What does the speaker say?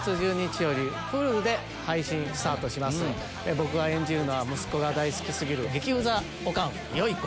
僕が演じるのは息子が大好き過ぎる激うざオカンよい子。